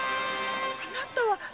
あなたは？